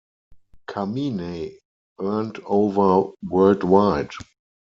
"Kaminey" earned over worldwide.